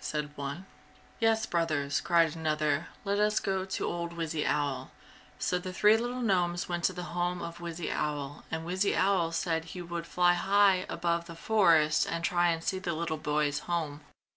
said one. "Yes, brothers," cried another, "Let us go to old Wizzy Owl." So the three little gnomes went to the home of Wizzy Owl and Wizzy Owl said he would fly high above the forest and try and see the little boy's home.